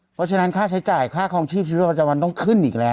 เพราะฉะนั้นค่าใช้จ่ายค่าคลองชีพชีวิตประจำวันต้องขึ้นอีกแล้ว